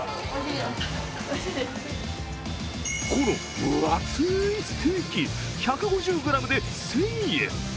この分厚いステーキ、１５０ｇで１０００円。